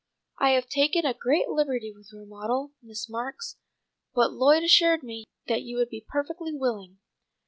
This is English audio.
"I have taken a great liberty with your model, Miss Marks, but Lloyd assured me you would be perfectly willing.